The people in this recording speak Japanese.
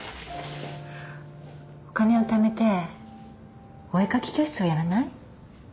お金をためてお絵描き教室をやらない？